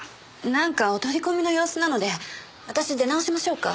なんかお取り込みの様子なので私出直しましょうか？